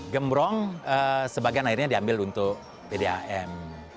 gembrong sebagian airnya diambil untuk pdam